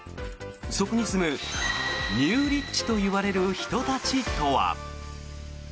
そこに住むニューリッチといわれる人たちとは。